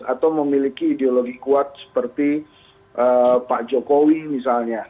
atau memiliki ideologi kuat seperti pak jokowi misalnya